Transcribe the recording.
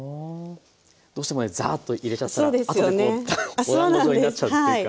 どうしてもねザーッと入れちゃったら後でこうおだんご状になっちゃうというか。